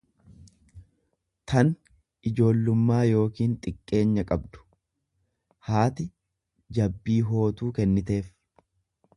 tan ijoollummaa yookiin xiqqeenya qabdu; Haati jabbii hootuu kenniteef.